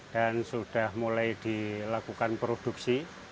dan sudah mulai dilakukan produksi